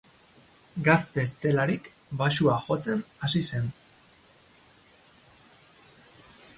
Gazte zelarik baxua jotzen hasi zen.